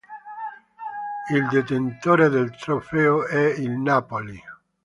Il detentore del trofeo è il Napoli.